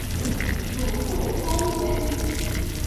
祖父龚文礼。